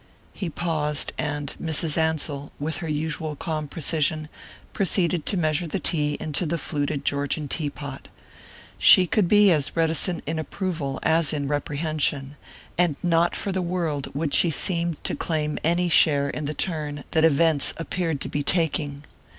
He paused, and Mrs. Ansell, with her usual calm precision, proceeded to measure the tea into the fluted Georgian tea pot. She could be as reticent in approval as in reprehension, and not for the world would she have seemed to claim any share in the turn that events appeared to be taking.